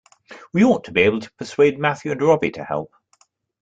We ought to be able to persuade Matthew and Robbie to help.